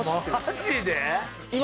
マジで！？